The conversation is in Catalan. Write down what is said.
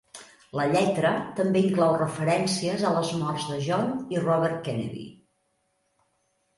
La lletra també inclou referències a les morts de John i Robert Kennedy.